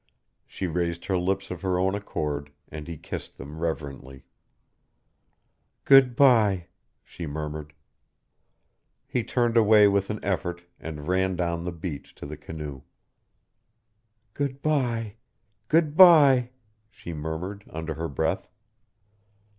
She raised her lips of her own accord, and he kissed them reverently. "Good by," she murmured. He turned away with an effort and ran down the beach to the canoe. "Good by, good by," she murmured, under her breath.